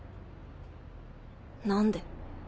何で？